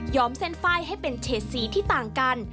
เส้นไฟล์ให้เป็นเฉดสีที่ต่างกัน